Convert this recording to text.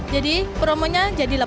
jadi promonya jadi delapan puluh